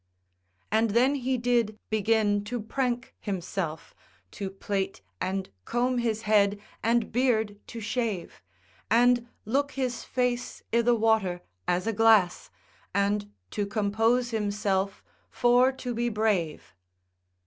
And then he did begin to prank himself, To plait and comb his head, and beard to shave, And look his face i' th' water as a glass, And to compose himself for to be brave.